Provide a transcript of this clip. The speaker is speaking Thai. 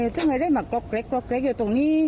ต้องให้ได้มากรอกเล็กอยู่ตรงนี้